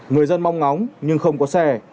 người dân mong ngóng nhưng không có xe